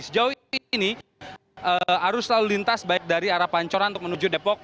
sejauh ini arus lalu lintas baik dari arah pancoran untuk menuju depok